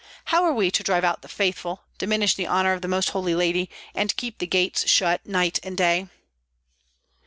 How are we to drive out the faithful, diminish the honor of the Most Holy Lady, and keep the gates shut night and day?"